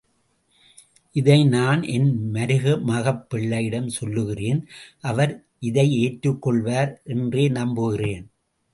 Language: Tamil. இதை நான் என் மருமகப்பிள்ளையிடம் சொல்லுகிறேன், அவர் இதை ஏற்றுக்கொள்வார் என்றே நம்புகிறேன்.